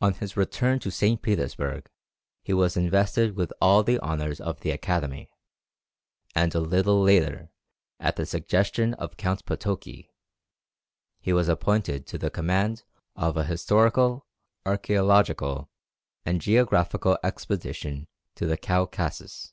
On his return to St. Petersburg he was invested with all the honours of the Academy; and a little later, at the suggestion of Count Potoki, he was appointed to the command of an historical, archæological, and geographical expedition to the Caucasus.